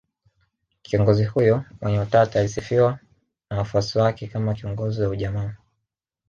Kiongozi huyo mwenye utata alisifiwa na wafuasi wake kama kiongozi wa ujamaa